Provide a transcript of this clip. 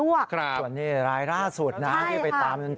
เพราะอะไร